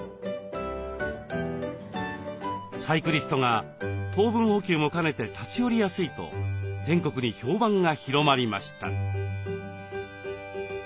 サイクリストが糖分補給も兼ねて立ち寄りやすいと全国に評判が広まりました。